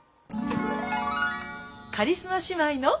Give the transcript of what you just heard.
カリスマ姉妹の。